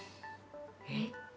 えっ？